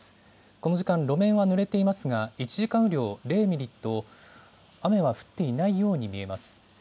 この時間、路面はぬれていますが、１時間雨量０ミリと、雨は降っていないように見えます。